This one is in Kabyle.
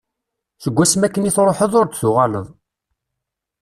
Seg wasmi akken i truḥeḍ ur d-tuɣaleḍ.